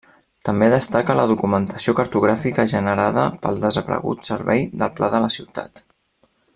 També destaca la documentació cartogràfica generada pel desaparegut Servei del Pla de la Ciutat.